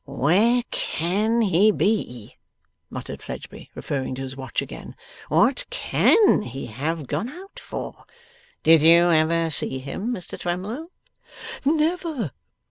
'Where CAN he be?' muttered Fledgeby, referring to his watch again. 'What CAN he have gone out for? Did you ever see him, Mr Twemlow?' 'Never.